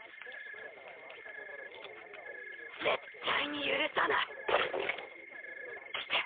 絶対に許さない！来て。